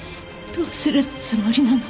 どうするつもりなの？